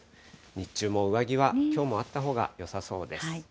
日中も上着は、きょうもあったほうがよさそうです。